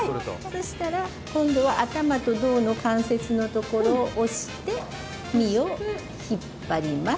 そしたら、今度は胴の関節のところを押して身を引っ張ります。